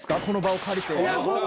この場を借りて。